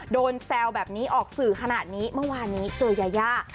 แซวแบบนี้ออกสื่อขนาดนี้เมื่อวานนี้เจอยายา